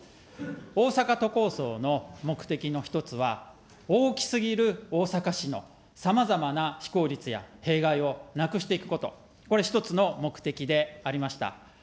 大阪都構想の目的の一つは、大きすぎる大阪市の、さまざまな非効率や弊害をなくしていくこと、これ、一つの目的でありました。